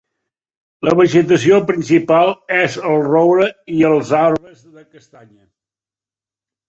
La vegetació principal és el roure i els arbres de castanya.